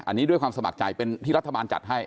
อันนี้ด้วยความสมัครใจเป็นที่รัฐบาลจัดให้